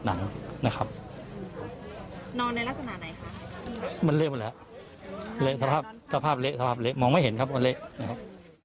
มันเละหมดแล้วเละสภาพสภาพเละสภาพเละมองไม่เห็นครับว่าเละนะครับ